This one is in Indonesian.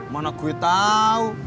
mana gue tahu